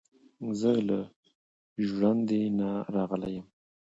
ـ زه له ژړندې نه راغلم،